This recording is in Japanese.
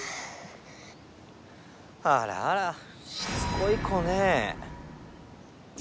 あらあらしつこい子ねえ。